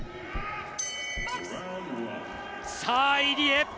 さあ、入江。